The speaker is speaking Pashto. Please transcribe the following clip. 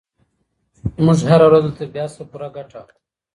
موږ هره ورځ له طبیعت څخه پوره ګټه اخلو.